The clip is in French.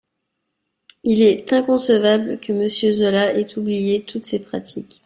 Il est inconcevable que Monsieur Zola ait oublié toutes ces pratiques.